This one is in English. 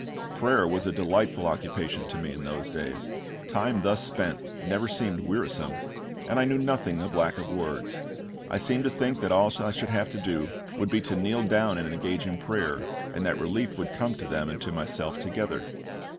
Prayer was a delightful occupation to me in those days; time thus spent never seemed wearisome, and I knew nothing of lack of words. I seemed to think that all I should have to do would be to kneel down and engage in prayer, and that relief would come to them and to myself together.